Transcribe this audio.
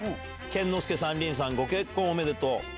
健之介さん、凛さん、ご結婚おめでとう。